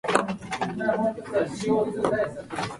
It covers the western part of the district of Greiz.